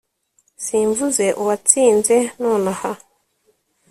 simvuze 'uwatsinze nonaha